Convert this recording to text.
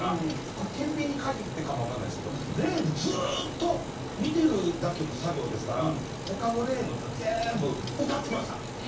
これ検品に限ってかもわかんないですけどレーンでずっと見てるだけの作業ですから他のレーンの人は全部歌ってました。